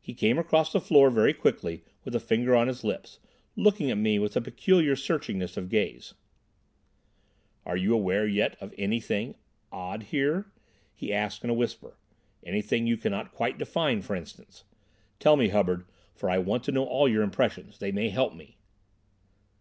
He came across the floor very quickly with a finger on his lips, looking at me with a peculiar searchingness of gaze. "Are you aware yet of anything—odd here?" he asked in a whisper. "Anything you cannot quite define, for instance. Tell me, Hubbard, for I want to know all your impressions. They may help me."